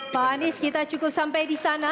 pak anies kita cukup sampai disana